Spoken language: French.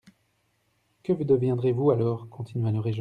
Que deviendrez-vous alors ? continua le régent.